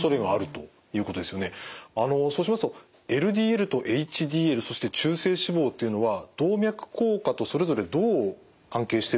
あのそうしますとＬＤＬとＨＤＬそして中性脂肪というのは動脈硬化とそれぞれどう関係しているんでしょうか？